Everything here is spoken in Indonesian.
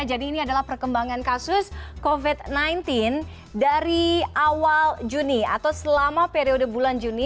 jadi ini adalah perkembangan kasus covid sembilan belas dari awal juni atau selama periode bulan juni